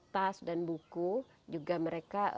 tas dan buku juga mereka